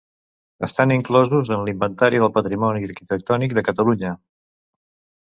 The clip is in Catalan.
Estan inclosos en l'Inventari del Patrimoni Arquitectònic de Catalunya.